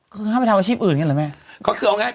ห้ามไปทำอาชีพอื่นแบบนั้นหรอแม่